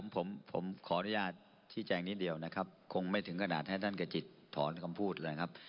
ผมขออนุญาตชี้แจงนิดเดียวนะครับคงไม่ถึงขนาดให้ท่านกระจิตถอนคำพูดเลยครับ